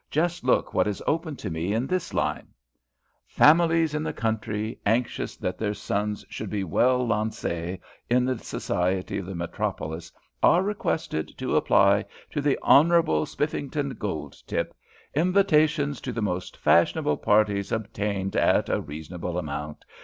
Just look what is open to me in this line, "'Families in the country anxious that their sons should be well lancés in the society of the metropolis, are requested to apply to the Honourable Spiffington Goldtip. Invitations to the most fashionable parties obtained at a reasonable amount.